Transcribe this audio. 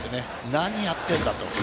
何やってんだと。